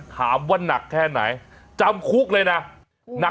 ถามว่านักแค่ไหนจำคุกเลยนะ